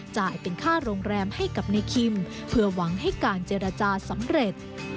จ่ายเป็นค่าโรงแรมให้กับในคิมเพื่อหวังให้การเจรจาสำเร็จ